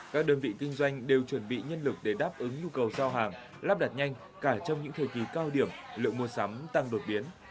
các đơn vị kinh doanh đều chuẩn bị nhân lực để đáp ứng nhu cầu giao hàng lắp đặt nhanh cả trong những thời kỳ cao điểm lượng mua sắm tăng đột biến